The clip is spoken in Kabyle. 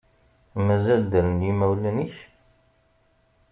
Mazal ddren yimawlen-ik?